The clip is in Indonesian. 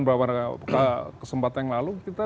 beberapa kesempatan yang lalu kita